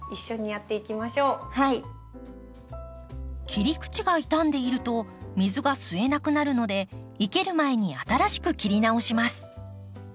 切り口が傷んでいると水が吸えなくなるので生ける前に新しく切り直します。